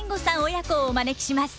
親子をお招きします。